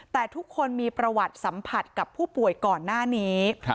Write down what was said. แต่ทุกคนมีประวัติสัมผัสกับผู้ป่วยก่อนหน้านี้